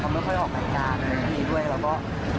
เขาไม่ค่อยออกการการ